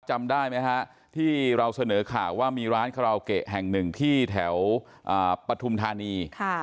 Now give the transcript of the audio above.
จำได้ไหมฮะที่เราเสนอข่าวว่ามีร้านคาราโอเกะแห่งหนึ่งที่แถวปฐุมธานี